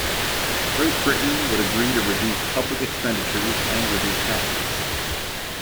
Great Britain would agree to reduce public expenditures and reduce taxes.